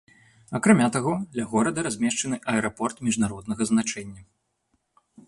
Акрамя таго, ля горада размешчаны аэрапорт міжнароднага значэння.